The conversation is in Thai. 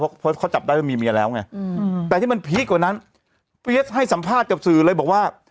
เพราะเขาจับได้ว่ามีเมียแล้วไงแต่ที่มันพีคกว่านั้นเฟียสให้สัมภาษณ์กับสื่อเลยบอกว่า